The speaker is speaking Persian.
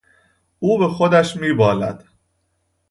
او به خودش میبالد.